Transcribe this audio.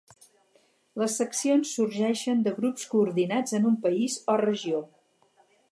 Les seccions sorgeixen de grups coordinats en un país o regió.